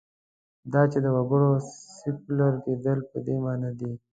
دا چې د وګړو سیکولر کېدل په دې معنا دي.